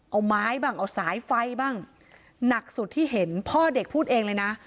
เอาไม้บ้างเอาสายไฟบ้างหนักสุดที่เห็นพ่อเด็กพูดเองเลยนะ